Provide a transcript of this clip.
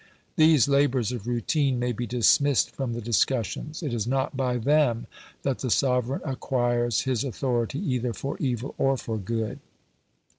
These labours of routine may be dismissed from the discussions. It is not by them that the sovereign acquires his authority either for evil or for good.